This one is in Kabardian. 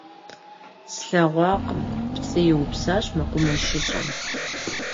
- Слъэгъуакъым, - пцӏы иупсащ мэкъумэшыщӏэм.